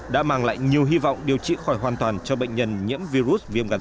đã mang lại nhiều hy vọng điều trị khỏi hoàn toàn cho bệnh nhân nhiễm virus viêm gan c